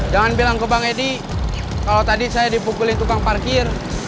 jangan bilang ke bang edi kalau tadi saya dipukulin tukang parkir